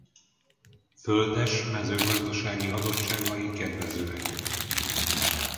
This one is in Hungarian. Földes mezőgazdasági adottságai kedvezőek.